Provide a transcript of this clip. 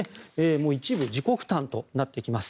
もう、一部自己負担となってきます。